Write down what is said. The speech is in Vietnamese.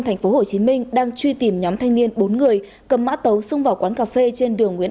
tp hcm đang truy tìm nhóm thanh niên bốn người cầm mã tấu xông vào quán cà phê trên đường nguyễn